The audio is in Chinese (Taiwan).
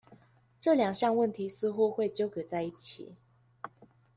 這兩項問題似乎會糾葛在一起